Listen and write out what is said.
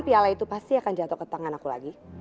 piala itu pasti akan jatuh ke tangan aku lagi